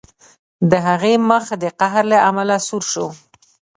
د هغه مخ د قهر له امله سور شو